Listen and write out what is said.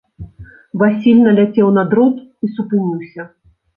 Васіль наляцеў на дрот і супыніўся.